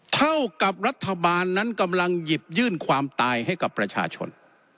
เท่ากับรัฐบาลนั้นกำลังหยิบยื่นความตายให้กับประชาชน